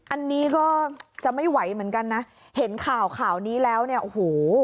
อันนี้ก็จะไม่ไหวเหมือนกันนะเห็นข่าวข่าวนี้แล้วเนี่ยโอ้โห